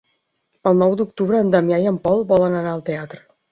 El nou d'octubre en Damià i en Pol volen anar al teatre.